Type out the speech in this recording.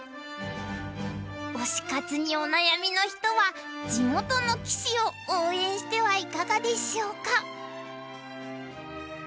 推し活にお悩みの人は地元の棋士を応援してはいかがでしょうか？